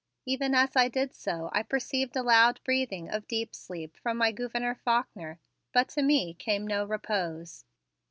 Even as I did so I perceived a loud breathing of deep sleep from my Gouverneur Faulkner; but to me came no repose.